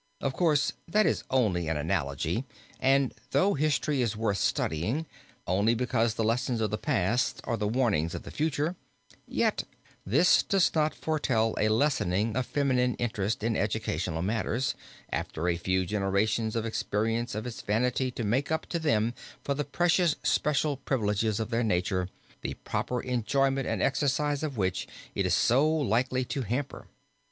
Of course that is only an analogy and though history is worth studying, only because the lessons of the past are the warnings of the future, yet this does not foretell a lessening of feminine interest in educational matters, after a few generations of experience of its vanity to make up to them for the precious special privileges of their nature, the proper enjoyment and exercise of which it is so likely to hamper.